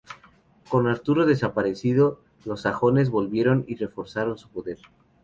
Con Arturo desaparecido, los sajones volvieron y reforzaron su poder.